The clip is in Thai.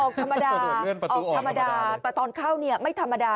ออกธรรมดาออกธรรมดาแต่ตอนเข้าเนี่ยไม่ธรรมดา